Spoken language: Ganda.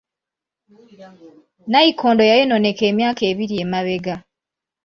Nnayikondo yayonooneka emyaka ebiri emabega.